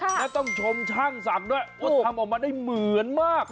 และต้องชมช่างศักดิ์ด้วยว่าทำออกมาได้เหมือนมาก